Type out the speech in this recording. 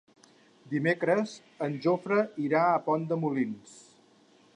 Dimecres en Jofre irà a Pont de Molins.